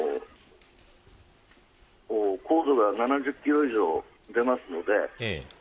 高度が７０キロ以上出ますので。